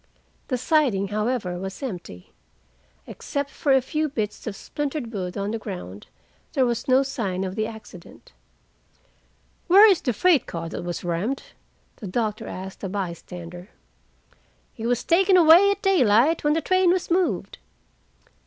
The siding, however, was empty. Except a few bits of splintered wood on the ground, there was no sign of the accident. "Where is the freight car that was rammed?" the doctor asked a bystander. "It was taken away at daylight, when the train was moved."